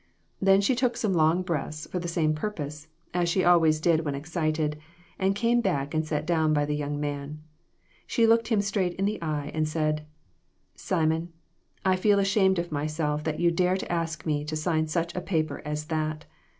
Then she took some long breaths for the same purpose, as she always did when excited, and came back and sat down by the young man. She looked him straight in the eye, and said " Simon, I feel ashamed of myself that you dare ask me to sign such a paper as that.